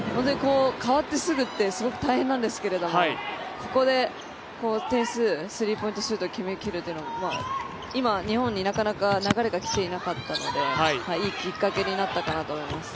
代わってすぐってすごく大変なんですけどここで点数、スリーポイントシュートを決めきるというのは今、なかなか日本に流れがきていなかったのでいいきっかけになったと思います。